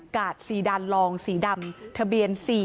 ซีดานลองสีดำทะเบียน๔๔